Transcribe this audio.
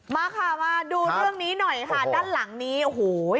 มาค่ะมาดูเรื่องนี้หน่อยค่ะด้านหลังนี้โอ้โห